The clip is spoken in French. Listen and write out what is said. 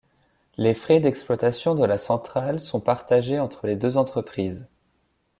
Les frais d'exploitation de la centrale sont partagés entre les deux entreprises.